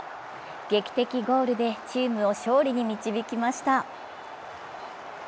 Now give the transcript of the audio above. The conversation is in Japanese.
劇的ゴールでチームを勝利に導きました。